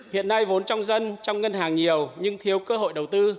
hiện nay vốn trong dân trong ngân hàng nhiều nhưng thiếu cơ hội